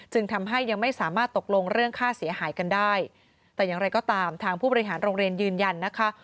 ทำให้ยังไม่สามารถตกลงเรื่องค่าเสียหายกันได้แต่อย่างไรก็ตามทางผู้บริหารโรงเรียนยืนยันนะคะ